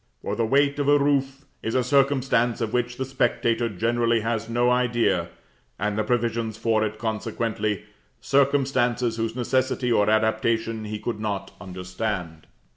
For the weight of a roof is a circumstance of which the spectator generally has no idea, and the provisions for it, consequently, circumstances whose necessity or adaptation he could not understand.